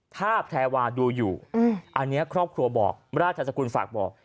ถ้าแพรวาดูอยู่อันนี้ครอบครัวบอกราชสกุลฝากบอก